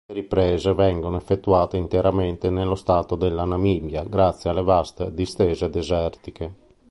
Le riprese vengono effettuate interamente nello stato della Namibia, grazie alle vaste distese desertiche.